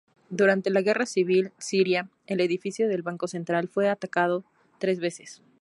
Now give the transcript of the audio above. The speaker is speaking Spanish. Durante la Guerra Civil siria, el edificio del Banco Central fue atacado tres veces.